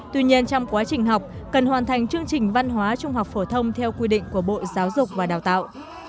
tuy nhiên trong quá trình học cần hoàn thành chương trình văn hóa trung học phổ thông theo quy định của bộ giáo dục và đào tạo